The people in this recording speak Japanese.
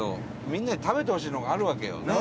みんなに食べてほしいのがあるわけよね。